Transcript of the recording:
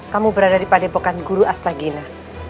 kamu berada di padepokan guru astagina